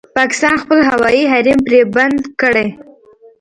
پاکستان خپل هوايي حريم پرې بند کړی